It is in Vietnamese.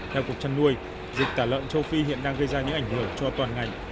theo cục trăn nuôi dịch tả lợn châu phi hiện đang gây ra những ảnh hưởng cho toàn ngành